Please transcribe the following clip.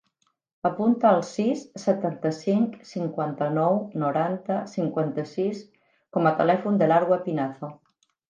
Apunta el sis, setanta-cinc, cinquanta-nou, noranta, cinquanta-sis com a telèfon de l'Arwa Pinazo.